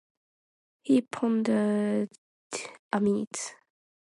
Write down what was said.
He pondered a minute.